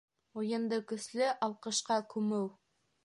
Уйынды көслө алҡышҡа күмеү